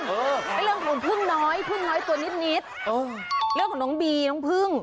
เรื่องของพึ่งน้อยพึ่งน้อยตัวนิดนิดเรื่องของน้องบีน้องพึ่ง